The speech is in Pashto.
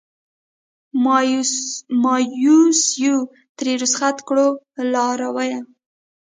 مایوسیو ترې رخصت کړو لارویه